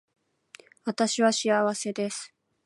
私は幸せです